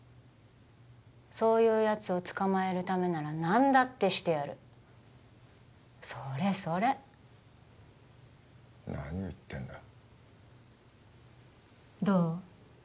そういうやつを捕まえるためなら何だってしてやるそれそれ何を言ってんだどう？